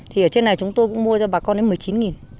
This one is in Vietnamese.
thì ở trên này chúng tôi cũng mua cho bà con đến một mươi chín